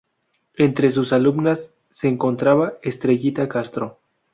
Entre sus alumnas se encontraba Estrellita Castro.